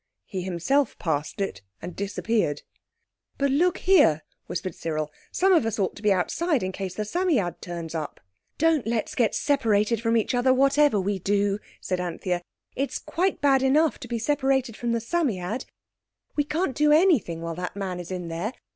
He himself passed it and disappeared. "But look here," whispered Cyril, "some of us ought to be outside in case the Psammead turns up." "Don't let's get separated from each other, whatever we do," said Anthea. "It's quite bad enough to be separated from the Psammead. We can't do anything while that man is in there.